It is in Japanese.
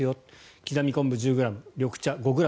刻み昆布１０ｇ、緑茶５ｇ。